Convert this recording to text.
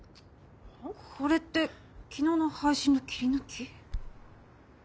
これって昨日の配信の切り抜き。